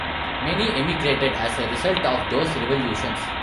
Many emigrated as a result of those revolutions.